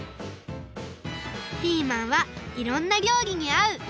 ピーマンはいろんな料理にあう！